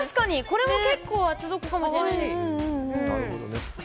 これも結構、厚底かもしれない。